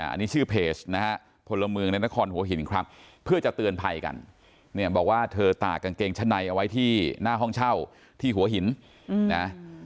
อันนี้ชื่อเพจนะฮะพลเมืองในนครหัวหินครับเพื่อจะเตือนภัยกันเนี่ยบอกว่าเธอตากกางเกงชั้นในเอาไว้ที่หน้าห้องเช่าที่หัวหินนะ